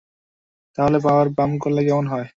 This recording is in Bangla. তাহলে, পাওয়ার বাম্প করলে কেমন হয়?